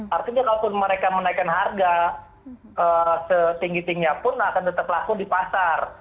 artinya kalaupun mereka menaikkan harga setinggi tingginya pun akan tetap laku di pasar